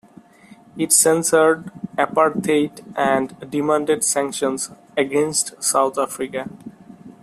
It censured apartheid and demanded sanctions against South Africa.